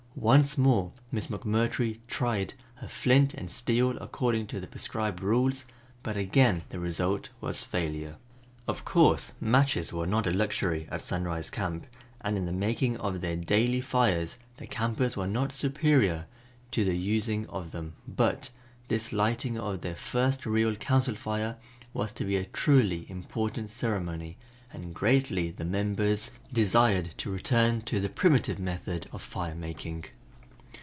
Once more Miss McMurtry tried her flint and steel according to the prescribed rules, but again the result was failure. Of course matches were not a luxury at Sunrise Camp and in the making of their daily fires the campers were not superior to the using of them, but this lighting of their first real Council Fire was to be a truly important ceremony and greatly the members desired to return to the primitive method of fire making.